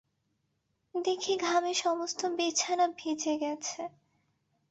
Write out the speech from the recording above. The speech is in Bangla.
দেখি ঘামে সমস্ত বিছানা ভিজে গেছে!